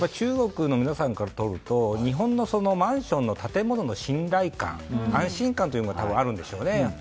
中国の皆さんからとると日本のマンションの建物の信頼感安心感というのがあるんでしょうね。